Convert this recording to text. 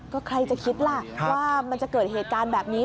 ก็ใครจะคิดล่ะว่ามันจะเกิดเหตุการณ์แบบนี้